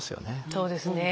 そうですね。